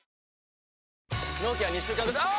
納期は２週間後あぁ！！